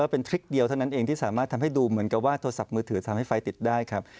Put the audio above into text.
เป็นทริคเดียวเท่านั้นเองที่สามารถทำให้ดูเหมือนกับว่าโทรศัพท์มือถือทำให้ไฟติดได้ครับ